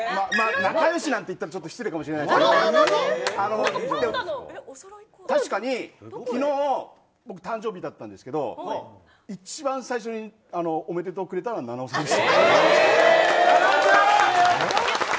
仲良しなんて言ったら失礼かもしれないですけど確かに昨日僕、誕生日だったんですけど一番最初におめでとうくれたのは菜々緒さんでした。